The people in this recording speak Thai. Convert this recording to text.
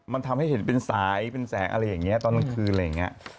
มันทำให้เห็นเป็นสายเป็นแสงอะไรอย่างนี้ตอนตั้งคืน